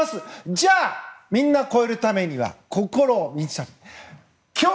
じゃあ、みんな超えるためには心を。